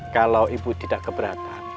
kalau ibu tidak keberatan